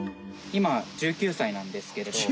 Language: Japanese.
今１９歳なんですけれど。